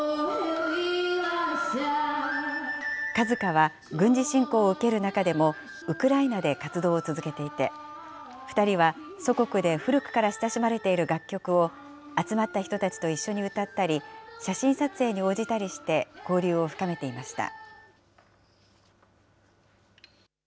ＫＡＺＫＡは軍事侵攻を受ける中でもウクライナで活動を続けていて、２人は祖国で古くから親しまれている楽曲を集まった人たちと一緒に歌ったり、写真撮影に応じたりして、交流を深めていました。